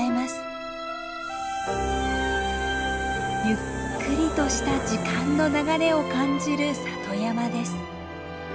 ゆっくりとした時間の流れを感じる里山です。